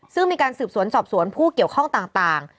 ซึ่งมีการสืบสวนสอบสวนผู้เกี่ยวข้องต่าง